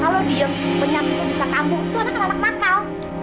kalau diam penyakit yang bisa kampuh itu anak anak nakal